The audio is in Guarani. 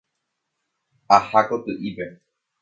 Aha koty'ípe.